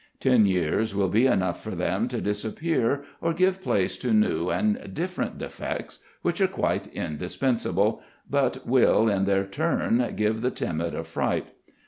Ten years will be enough for them to disappear or give place to new and different defects, which are quite indispensable, but will in their turn give the timid a fright.